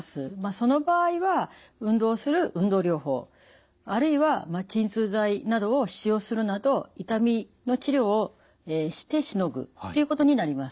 その場合は運動する運動療法あるいは鎮痛剤などを使用するなど痛みの治療をしてしのぐっていうことになります。